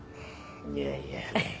いやいや。